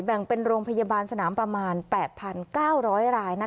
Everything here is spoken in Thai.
แบ่งประมาณ๘๙๐๐ราย